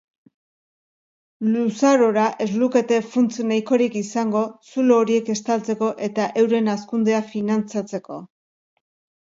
Luzarora ez lukete funts nahikorik izango zulo horiek estaltzeko eta euren hazkundea finantzatzeko.